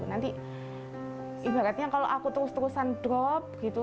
nanti ibaratnya kalau aku terus terusan drop gitu